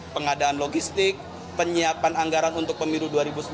pengadaan logistik penyiapan anggaran untuk pemilu dua ribu sembilan belas